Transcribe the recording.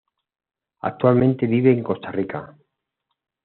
Actualmente vive en Costa Rica.